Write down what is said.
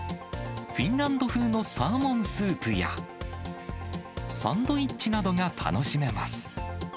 フィンランド風のサーモンスープや、サンドイッチなどが楽しめます。